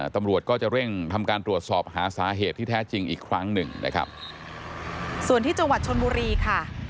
ตำรวจก็จะเร่งทำการตรวจสอบหาสาเหตุที่แท้จริงอีกครั้งหนึ่งนะครับส่วนที่จังหวัดชนบุรีค่ะ